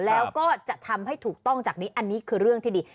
แล้วก็จะทำให้ถูกต้องจากนี้อันนี้คือเรื่องที่ดี